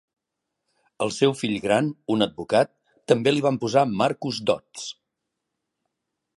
El seu fill gran, un advocat, també li van posar Marcus Dods.